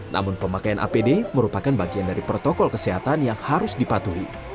namun pemakaian apd merupakan bagian dari protokol kesehatan yang harus dipatuhi